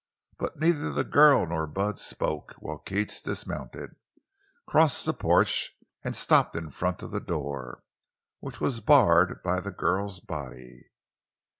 But neither the girl nor Bud spoke while Keats dismounted, crossed the porch, and stopped in front of the door, which was barred by the girl's body.